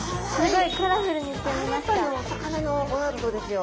新たなお魚のワールドですよ。